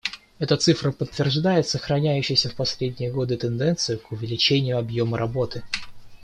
Эта цифра подтверждает сохраняющуюся в последние годы тенденцию к увеличению объема работы.